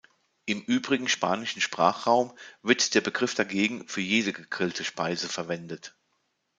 Im übrigen spanischen Sprachraum wird der Begriff dagegen für jede gegrillte Speise verwendet.